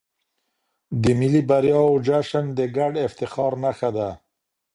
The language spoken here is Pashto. د ملي بریاوو جشن د ګډ افتخار نښه ده.